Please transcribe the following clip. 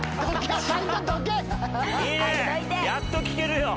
やっと聴けるよ。